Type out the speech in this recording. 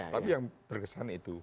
tapi yang berkesan itu